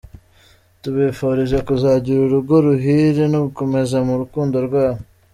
Tubifurije kuzagira urugo ruhire, no gukomeza mu rukundo rwabo.